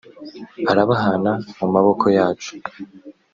arabahana mu maboko yacu